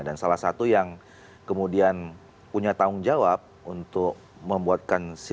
dan salah satu yang kemudian punya tanggung jawab untuk membuat kondisi